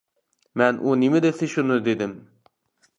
مەن ئۇ نېمە دېسە شۇنى دېدىم.